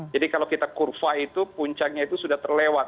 jadi kalau kita kurva itu puncaknya itu sudah terlewat